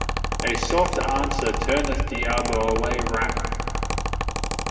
A soft answer turneth diabo away wrath.